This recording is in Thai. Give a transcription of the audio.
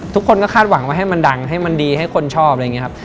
ทุกคนก็คาดหวังว่าให้มันดังให้มันดีให้คนชอบอะไรอย่างนี้ครับ